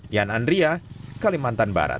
yan andria kalimantan barat